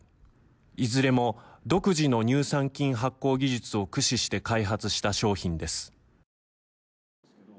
いずれも独自の乳酸菌発酵技術を駆使して開発した商品です。